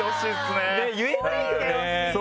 ねぇ言えないよね。